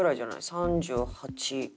３８。